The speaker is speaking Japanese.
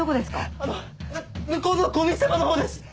あの向こうのゴミ捨て場のほうです！